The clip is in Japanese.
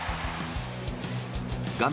画面